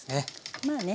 まあね